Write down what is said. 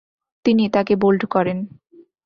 তিনি তাকে বোল্ড করেন।